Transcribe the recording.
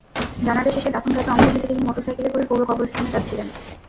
জানাজা শেষে দাফনকাজে অংশ নিতে তিনি মোটরসাইকেলে করে পৌর কবরস্থানে যাচ্ছিলেন।